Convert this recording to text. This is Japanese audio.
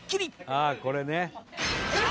「ああこれね」